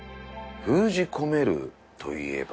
封じ込めるといえば